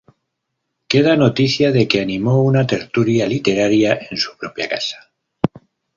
Queda noticia de que animó una tertulia literaria en su propia casa.